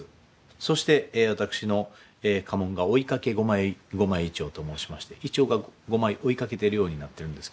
そして私の家紋が「追いかけ五枚銀杏」と申しまして銀杏が五枚追いかけてるようになってるんですけれども。